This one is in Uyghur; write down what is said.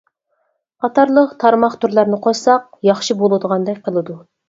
قاتارلىق تارماق تۈرلەرنى قوشساق ياخشى بولىدىغاندەك قىلىدۇ.